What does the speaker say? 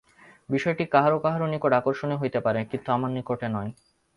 বিষয়টি কাহারও কাহারও নিকট আকর্ষণীয় হইতে পারে, কিন্তু আমার নিকটে নয়।